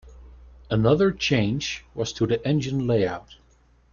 Another change was to the engine layout.